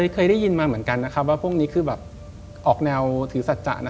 เคยได้ยินมาเหมือนกันนะครับว่าพวกนี้คือแบบออกแนวถือสัจจะนะ